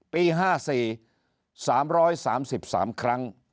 ปี๕๔๓๓ครั้ง